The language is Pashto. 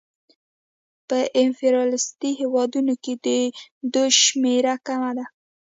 په امپریالیستي هېوادونو کې د دوی شمېره کمه ده